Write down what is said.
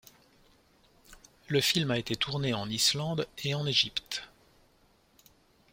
Le film a été tourné en Islande et en Égypte.